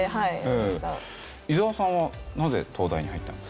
伊沢さんはなぜ東大に入ったんですか？